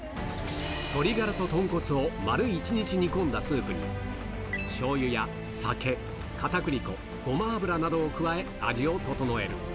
鶏ガラと豚骨を丸１日煮込んだスープに、しょうゆや酒、かたくり粉、ごま油などを加え、味を調える。